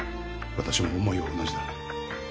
私も思いは同じだ。